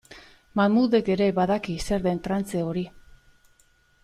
Mahmudek ere badaki zer den trantze hori.